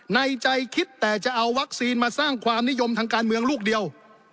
ในใจคิดแต่จะเอาวัคซีนมาสร้างความนิยมทางการเมืองลูกเดียว